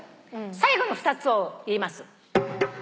最後の２つを言います。